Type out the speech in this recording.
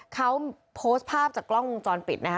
เขาโพสต์ภาพจากกล้องวงจรปิดนะคะ